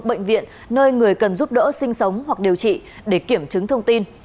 bệnh viện nơi người cần giúp đỡ sinh sống hoặc điều trị để kiểm chứng thông tin